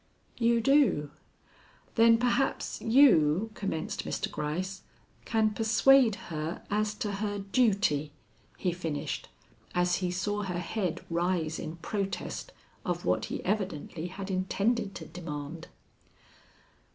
"You do. Then perhaps you " commenced Mr. Gryce "can persuade her as to her duty," he finished, as he saw her head rise in protest of what he evidently had intended to demand.